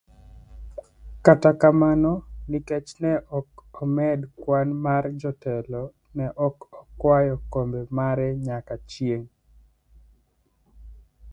However, since the delegation was not increased, he never took his seat.